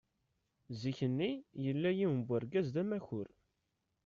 Zik-nni, yella yiwen n urgaz d amakur.